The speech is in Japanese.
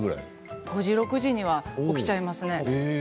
５時６時には起きちゃいますね。